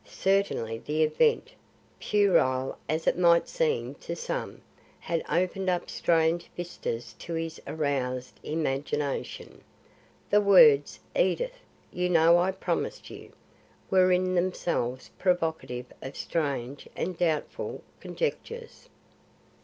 Certainly the event, puerile as it might seem to some, had opened up strange vistas to his aroused imagination. The words "Edith, you know I promised you " were in themselves provocative of strange and doubtful conjectures.